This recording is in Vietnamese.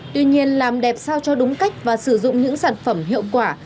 tuy nhiên làm đẹp sao cho đúng cách và sử dụng những sản phẩm hiệu quả